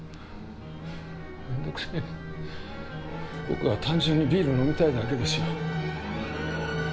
僕は単純にビール飲みたいだけですよ。